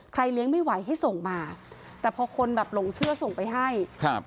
เลี้ยงไม่ไหวให้ส่งมาแต่พอคนแบบหลงเชื่อส่งไปให้ครับ